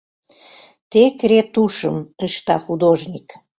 Тек ретушьым ышта художник